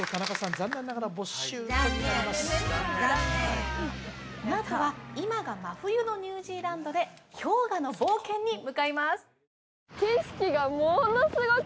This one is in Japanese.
残念残念このあとは今が真冬のニュージーランドで氷河の冒険に向かいます